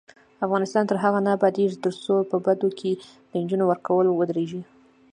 افغانستان تر هغو نه ابادیږي، ترڅو په بدو کې د نجونو ورکول ودریږي.